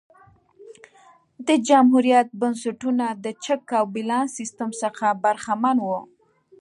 د جمهوریت بنسټونه د چک او بیلانس سیستم څخه برخمن وو